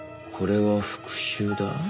「これは復讐だ」？